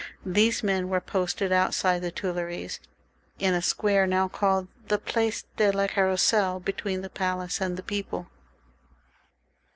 These men were posted outside the Tuileries, in a square now called the Place de la Carrousel, between the palace and the people.